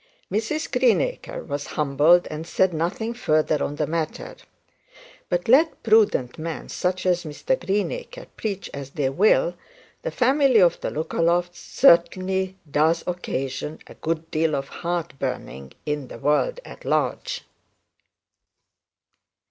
Mrs Greenacre was humbled, and said nothing further on the matter. But let prudent men, such as Mr Greenacre, preach as they will, the family of the Lookalofts certainly does occasion a good deal of heart burning in the world at large.